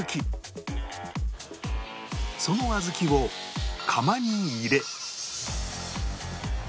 その小豆を釜に入れ